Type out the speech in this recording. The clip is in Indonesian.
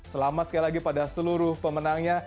selamat sekali lagi pada seluruh pemenangnya